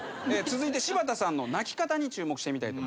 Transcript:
続いて柴田さんの泣き方に注目してみたいと思います。